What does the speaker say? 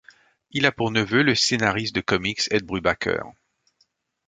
Il a pour neveu le scénariste de comics Ed Brubaker.